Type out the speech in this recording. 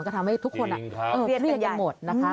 ก็ทำให้ทุกคนเครียดกันหมดนะคะ